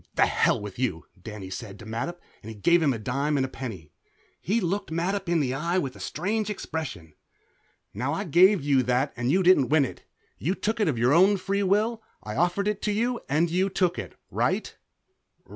"The hell with you," Danny said to Mattup, and gave him a dime and a penny. He looked Mattup in the eye with a strange expression. "Now, I gave you that and you didn't win it. You took it of your own free will. I offered it to you and you took it. Right?"